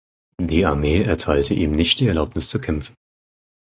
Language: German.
Die Armee erteilte ihm nicht die Erlaubnis zu kämpfen.